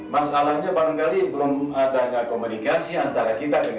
masalahnya barangkali belum adanya komunikasi antara kita dengan